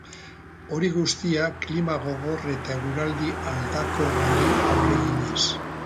Hori guztia klima gogor eta eguraldi aldakorrari aurre eginez.